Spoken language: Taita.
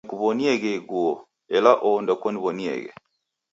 Nekuw'onieghe ighuo, ela oho ndekoniw'onieghe